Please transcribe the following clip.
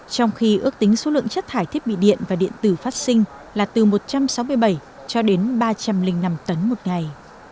trong khi ước tính số lượng chất thải thiết bị điện và điện tử phát sinh là từ một trăm sáu mươi bảy cho đến ba trăm linh năm tấn một ngày